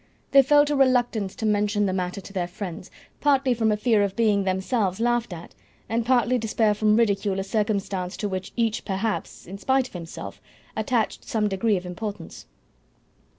They felt a reluctance to mention the matter to their friends, partly from a fear of being themselves laughed at, and partly to spare from ridicule a circumstance to which each perhaps, in spite of himself, attached some degree of importance.